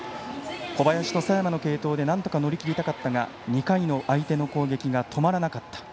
小林と佐山の継投でなんとか乗り切りたかったが２回の相手の攻撃が止まらなかった。